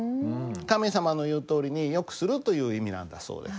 神様の言うとおりに善くするという意味なんだそうです。